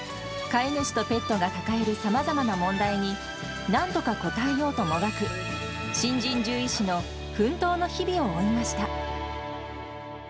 飼い主とペットが抱えるさまざまな問題になんとか応えようともがく、新人獣医師の奮闘の日々を追いました。